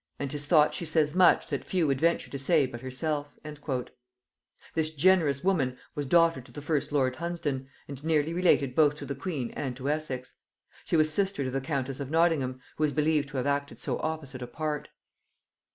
And 'tis thought she says much that few would venture to say but herself." This generous woman was daughter to the first lord Hunsdon, and nearly related both to the queen and to Essex. She was sister to the countess of Nottingham who is believed to have acted so opposite a part.